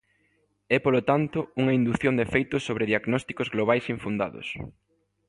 É, polo tanto, unha indución de feitos sobre diagnósticos globais infundados.